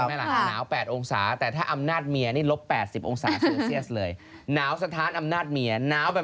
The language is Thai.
และนาวแปดองศาแต่ถ้าอำนาจเมียนี่ลบแปด๑๐องศามันจะเสียดังเลย